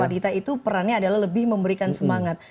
wanita itu perannya adalah lebih memberikan semangat